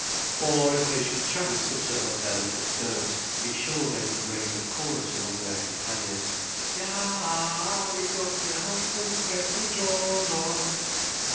For if they should chance to turn up their little skirts, be sure they would raise a chorus among their companions: "Yah h h, yer've got Houghton's threp'ny draws on!"